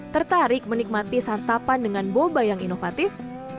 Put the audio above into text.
tertarik menikmati santapan dengan boba yang inovatif